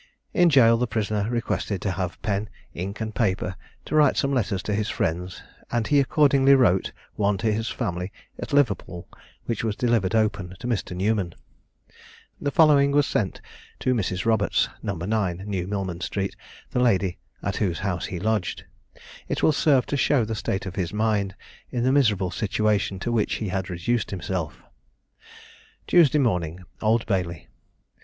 In jail the prisoner requested to have pen, ink, and paper, to write some letters to his friends; and he accordingly wrote one to his family at Liverpool, which was delivered open to Mr. Newman. The following was sent to Mrs. Roberts, No. 9, New Millman street, the lady at whose house he lodged. It will serve to show the state of his mind in the miserable situation to which he had reduced himself: "Tuesday morning, Old Bailey.